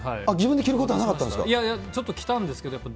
自分で着ることはなかったんいやいや、ちょっと着たんですけど、